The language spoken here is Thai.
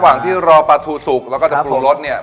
ระหว่างที่รอปลาทูสุกแล้วก็จะปรุงรสเนี่ย